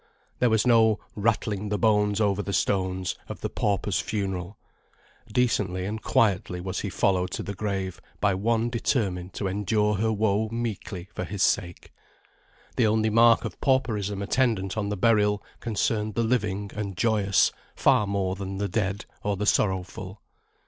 There was no "rattling the bones over the stones," of the pauper's funeral. Decently and quietly was he followed to the grave by one determined to endure her woe meekly for his sake. The only mark of pauperism attendant on the burial concerned the living and joyous, far more than the dead, or the sorrowful.